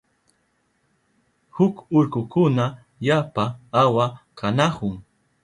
huk urkukuna yapa awa kanahun.